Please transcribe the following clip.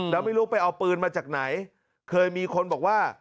แล้วไม่รู้ไปเอาปืนมาจากไหนเคยมีคนบอกว่า